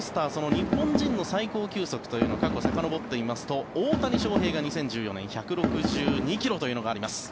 日本人の最高球速を過去さかのぼってみますと大谷翔平が２０１４年１６２ｋｍというのがあります。